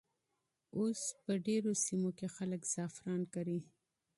اوس په ډېرو سیمو کې خلک زعفران کري.